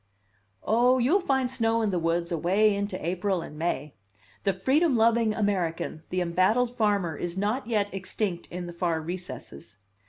"Oh, you'll find snow in the woods away into April and May. The freedom loving American, the embattled farmer, is not yet extinct in the far recesses.